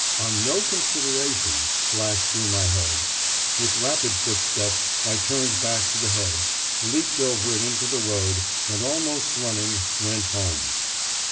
'On no consideration,' flashed through my head. With rapid footsteps I turned back to the hedge, leaped over it into the road, and almost running, went home.